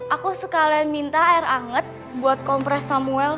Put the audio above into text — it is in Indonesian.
aku sekalian minta air anget buat kompres samuel